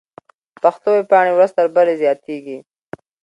پښتو ويبپاڼې ورځ تر بلې زياتېږي.